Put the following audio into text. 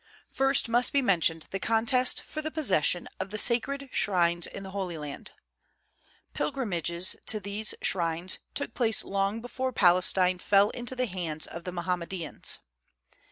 First must be mentioned the contest for the possession of the sacred shrines in the Holy Land. Pilgrimages to these shrines took place long before Palestine fell into the hands of the Mohammedans.